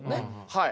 はい。